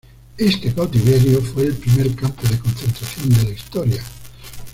Este cautiverio fue el primer campo de concentración de la historia.